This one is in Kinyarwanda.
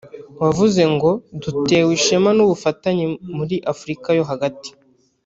wavuze ngo “Dutewe ishema n’ubufatanye muri Afurika yo hagati